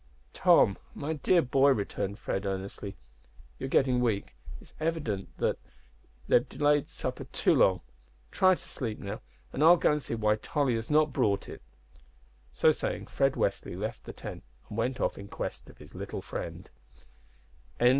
"Tom, my dear boy," returned Fred, earnestly, "you are getting weak. It is evident that they have delayed supper too long. Try to sleep now, and I'll go and see why Tolly has not brought it." So saying, Fred Westly left the tent and went off in quest of his little friend.